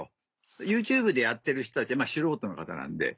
ＹｏｕＴｕｂｅでやってる人たちは素人の方なんで。